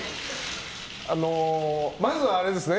あの、まず、あれですね。